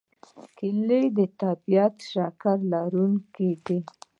کېله د طبیعي شکر لرونکې ده.